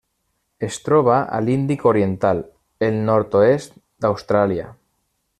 Es troba a l'Índic oriental: el nord-oest d'Austràlia.